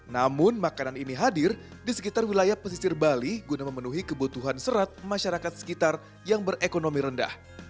namun makanan ini hadir di sekitar wilayah pesisir bali guna memenuhi kebutuhan serat masyarakat sekitar yang berekonomi rendah